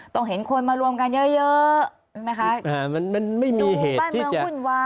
ต้องเห็นคนมารวมกันเยอะไม่มีเหตุที่จะ